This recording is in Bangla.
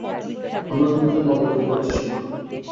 আমরা তোমার জন্য অপেক্ষা করছি সোনা।